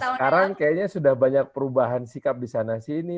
sekarang kayaknya sudah banyak perubahan sikap di sana sini